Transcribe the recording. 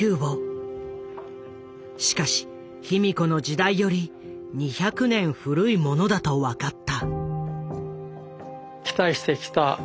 しかし卑弥呼の時代より２００年古いものだと分かった。